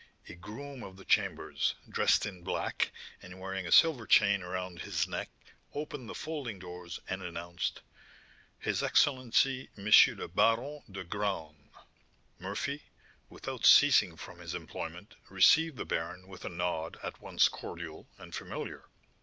A groom of the chambers, dressed in black and wearing a silver chain around his neck, opened the folding doors and announced: "His Excellency M. le Baron de Graün." Murphy, without ceasing from his employment, received the baron with a nod at once cordial and familiar.